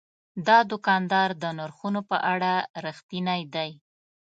دا دوکاندار د نرخونو په اړه رښتینی دی.